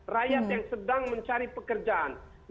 rakyat yang sedang mencari pekerjaan